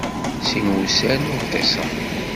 Sin wussan ur ṭṭiseɣ.